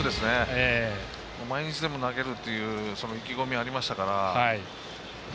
毎日でも投げるっていう意気込みありましたから。